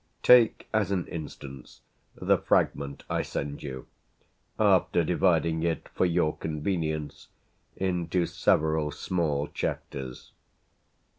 Take as an instance the fragment I send you, after dividing it for your convenience into several small chapters.